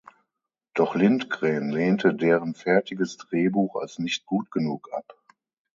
Doch Lindgren lehnte deren fertiges Drehbuch als nicht gut genug ab.